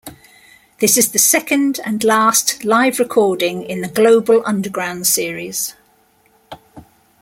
This is the second and last live recording in the Global Underground series.